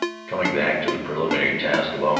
"Coming back to the preliminary task of Aug.